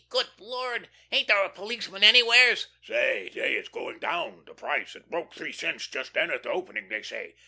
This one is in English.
Good Lord! ain't there a policeman anywheres?" "Say, say! It's going down the price. It broke three cents, just then, at the opening, they say."